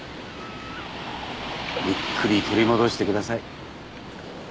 ゆっくり取り戻してください。